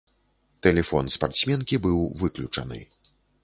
Тэлефон спартсменкі быў выключаны.